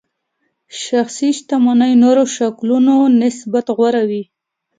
شخصي شتمنۍ نورو شکلونو نسبت غوره وي.